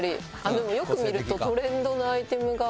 でもよく見るとトレンドのアイテムが。